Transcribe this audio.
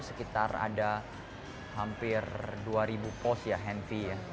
sekitar ada hampir dua ribu post ya henvy ya